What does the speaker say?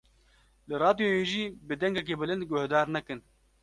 Li radyoyê jî bi dengekî bilind guhdar nekin.